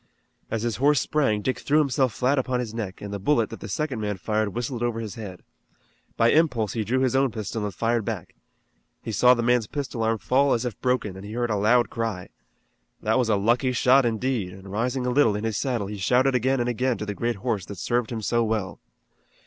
As his horse sprang Dick threw himself flat upon his neck, and the bullet that the second man fired whistled over his head. By impulse he drew his own pistol and fired back. He saw the man's pistol arm fall as if broken, and he heard a loud cry. That was a lucky shot indeed, and rising a little in his saddle he shouted again and again to the great horse that served him so well.